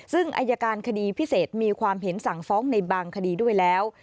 ซึ่งอายการคดีพิเศษมีความเห็นสั่งฟ้องในบางคดีด้วยแล้ว